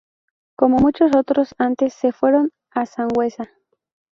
Como muchos otros antes, se fueron a Sangüesa.